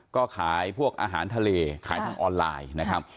ก็ขายพวกอาหารทะเลขายทางออนไลน์นะครับ